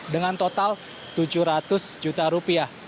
dengan total tujuh ratus juta rupiah